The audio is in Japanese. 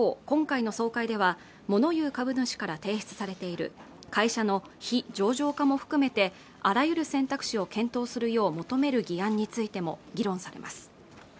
今回の総会ではもの言う株主から提出されている会社の非上場化も含めてあらゆる選択肢を検討するよう求める議案についても議論されます